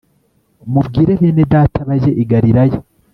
mubwire bene data bajye i galilaya